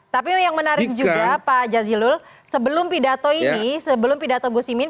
tapi yang menarik juga pak jazilul sebelum pidato ini sebelum pidato gusimin